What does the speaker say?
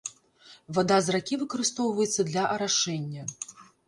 Вада з ракі выкарыстоўваецца для арашэння.